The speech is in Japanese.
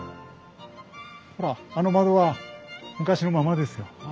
ほらあの窓は昔のままですよ。